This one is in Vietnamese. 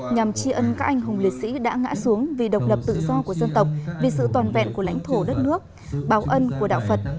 nhằm chi ân các anh hùng liệt sĩ đã ngã xuống vì độc lập tự do của dân tộc vì sự toàn vẹn của lãnh thổ đất nước bảo ân của đạo phật